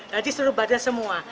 jadi seluruh badan semua